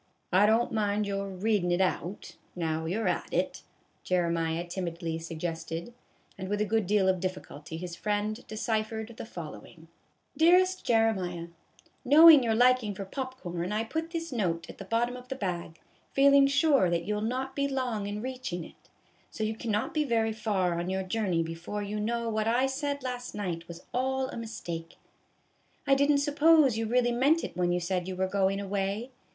" I don't mind your readin' it out, now you 're at it," Jeremiah timidly suggested; and with a good deal of difficulty his friend deciphered the following : DEAREST JEREMIAH : Knowing your liking for pop corn, I put this note at the bottom of the bag, feeling sure that you '11 not be long in reaching it ; so you cannot be very far on your journey before you know that what I said last night was all a mistake. I did n't suppose you really meant it when you said you were going away.